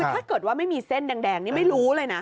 ถ้าเกิดว่าไม่มีเส้นแดงนี่ไม่รู้เลยนะ